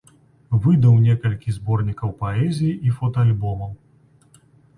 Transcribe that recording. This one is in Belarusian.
Выдаў некалькі зборнікаў паэзіі і фотаальбомаў.